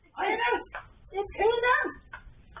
มันต้องมันต้อง